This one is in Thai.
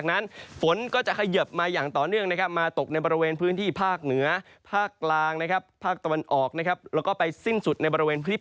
แรกจากภายุฤดูร้อนนะครับ